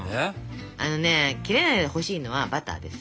あのねキレないでほしいのはバターです。